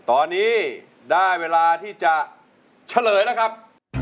ตอนนี้ได้เวลาที่จะเฉลยแล้วครับ